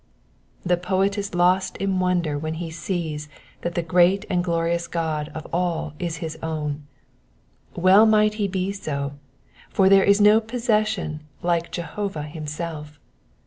The poet is lost in wonder while he sees that the great and glorious God is all his own I Well might he be so, for there is no possession like Jehovah himself.